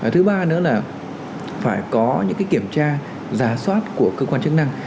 thứ ba nữa là phải có những cái kiểm tra giá soát của cơ quan chức năng